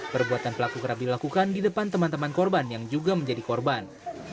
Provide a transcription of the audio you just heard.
perbuatan pelaku kerap dilakukan di depan teman teman korban yang juga menjadi korban